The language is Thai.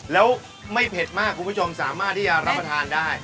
แล้วไม่เผ็ดมากคุณผู้ชมสามารถที่จะรับประทานได้